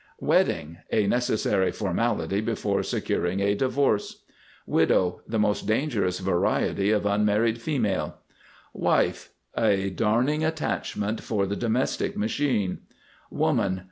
WEDDING. A necessary formality before securing a divorce. WIDOW. The most dangerous variety of unmarried female. WIFE. A darning attachment for the domestic machine. WOMAN.